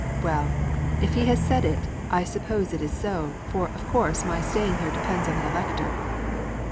"Well, if he has said it, I suppose it is so; for of course my staying here depends on the Elector."